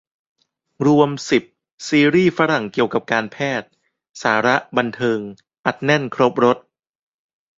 รวม สิบ ซีรีส์ฝรั่งเกี่ยวกับการแพทย์ สาระ บันเทิง อัดแน่นครบรส